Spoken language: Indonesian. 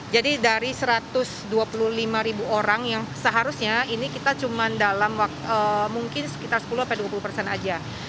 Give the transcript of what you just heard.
jadi dari satu ratus dua puluh lima ribu orang yang seharusnya ini kita cuma dalam mungkin sekitar sepuluh dua puluh saja